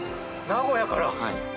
名古屋から！